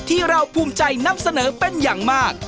ที่เราภูมิใจนำเสนอเป็นอย่างมาก